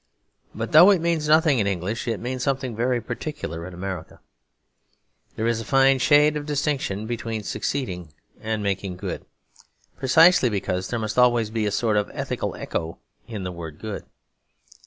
But though it means nothing in English, it means something very particular in American. There is a fine shade of distinction between succeeding and making good, precisely because there must always be a sort of ethical echo in the word good.